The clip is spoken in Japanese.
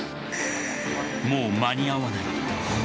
もう間に合わない。